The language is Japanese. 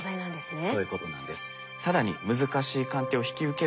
はい。